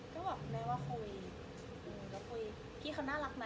ก็บอกแม่ว่าคุยแล้วคุยพี่เขาน่ารักไหม